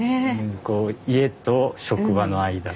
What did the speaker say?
こう家と職場の間で。